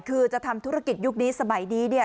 คือจะทำธุรกิจยุคนี้สมัยนี้เนี่ย